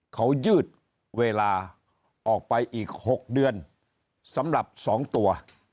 เขายืดเวลาออกไปอีก๖เดือนสำหรับ๒ตัว